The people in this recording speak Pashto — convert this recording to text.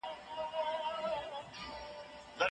وزیر اکبر خان د خپل استازي له لارې د انگلیس درغلنه افشا کړه.